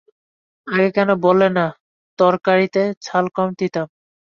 আগে কেন বললে না, তরকারিতে ঝাল কম দিতাম?